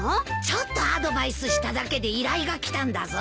ちょっとアドバイスしただけで依頼がきたんだぞ。